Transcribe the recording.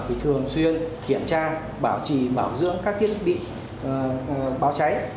thì thường xuyên kiểm tra bảo trì bảo dưỡng các thiết bị báo cháy